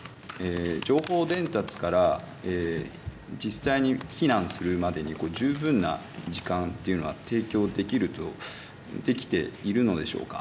情報伝達から実際に避難するまでに、十分な時間というのは提供できると、できているのでしょうか。